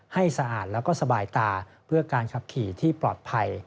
สะอาดแล้วก็สบายตาเพื่อการขับขี่ที่ปลอดภัย